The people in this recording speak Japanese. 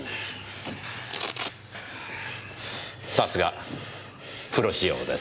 さすがプロ仕様です。